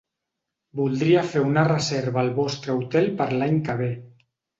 Voldria fer una reserva al vostre hotel per l'any que ve.